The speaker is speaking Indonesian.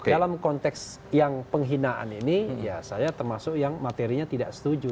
dalam konteks yang penghinaan ini ya saya termasuk yang materinya tidak setuju